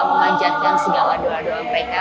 memanjatkan segala doa doa mereka